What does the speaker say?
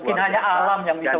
mungkin hanya alam yang itu